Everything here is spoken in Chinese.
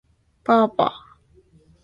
爸爸